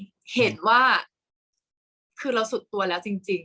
กากตัวทำอะไรบ้างอยู่ตรงนี้คนเดียว